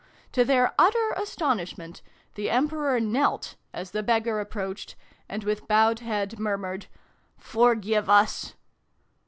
To their utter astonishment, the Emper or knelt as the beggar approached, and with bowed head murmured " Forgive us